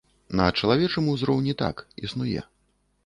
На чалавечым узроўні так, існуе.